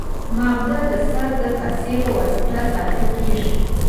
ماغزه د سر د کاسې په واسطه ساتل کېږي.